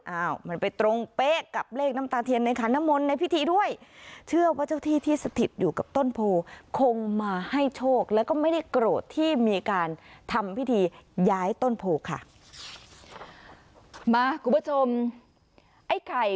อ้าวมันไปตรงเป๊ะกับเลขน้ำตาเทียนในผันนมนต์ในพิธีด้วย